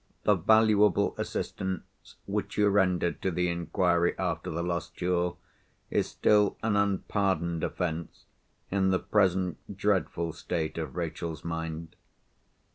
The valuable assistance which you rendered to the inquiry after the lost jewel is still an unpardoned offence, in the present dreadful state of Rachel's mind.